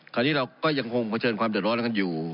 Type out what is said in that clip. คราวนี้เราก็เหยังคงเผชิญความเด็ดร้อนทั้งคู่